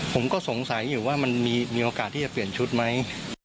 ผมก็สงสัยอยู่ว่ามันมีโอกาสที่จะเปลี่ยนชุดไหม